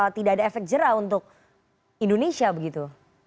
tidak ada efek jerah untuk indonesia begitu